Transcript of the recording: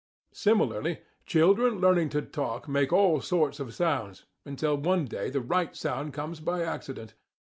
Similarly, children learning to talk make all sorts of sounds, until one day the right sound comes by accident.